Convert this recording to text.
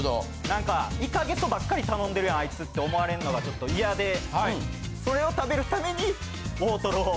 何か「イカゲソばっかり頼んでるやんあいつ」って思われんのがちょっと嫌でそれを食べるために大トロを。